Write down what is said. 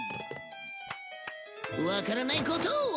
わからないことは。